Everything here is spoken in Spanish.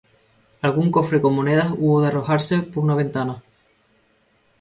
Algún cofre con monedas hubo de arrojarse por una ventana.